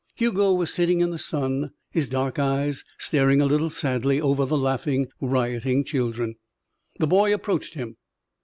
Hugo was sitting in the sun, his dark eyes staring a little sadly over the laughing, rioting children. The boy approached him.